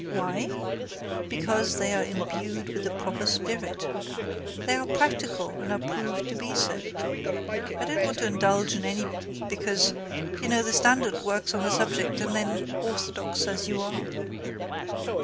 Why? Because they are imbued with the proper spirit. They are practical and are proved to be so. I don't want to indulge in any because you know the standard works on the subject and then orthodox as you are.